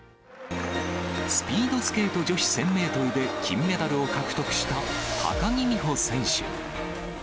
スピードスケート女子１０００メートルで金メダルを獲得した高木美帆選手。